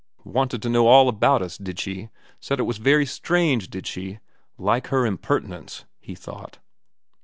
* Wanted to know all about us, did she. Said it was very strange, did she. Like her impertinence,' he thought.